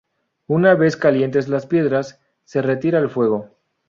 Una vez calientes las piedras, se retira el fuego.